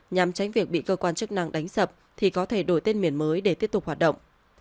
nhằm tránh việc bị cơ quan chức năng đánh sập thì có thể đổi tên miền mới để tiếp tục hoạt động